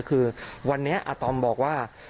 คือวันนี้อาตอมบอกว่า